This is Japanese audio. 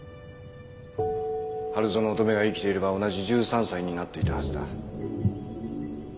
春薗乙女が生きていれば同じ１３歳になっていたはずだ。